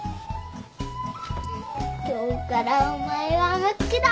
今日からお前はムックだ。